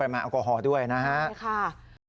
และกำลังจะขับกลับบ้านที่นครปฐม